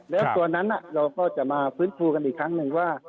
และส่วนนั้นเราจะมาพื้นคลูกันอีกครั้งนึงว่า